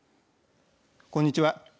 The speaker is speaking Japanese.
こんにちは。